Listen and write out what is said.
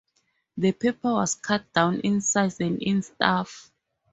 The paper was cut down in size and in staff.